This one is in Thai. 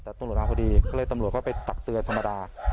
แต่ตำรวจมาพอดีก็เลยตำรวจก็ไปตักเตือนธรรมดา